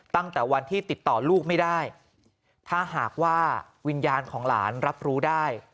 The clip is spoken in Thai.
ตั้งแต่วันที่ติดต่อลูกไม่ได้ถ้าหากว่าวิญญาณของหลานรับรู้ได้